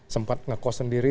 sempat ngekos sendiri